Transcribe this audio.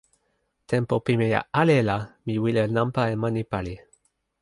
tenpo pimeja ale la, mi wile nanpa e mani pali.